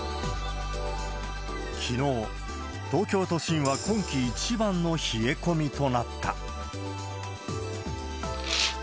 きのう、東京都心は今季一番の冷え込みとなった。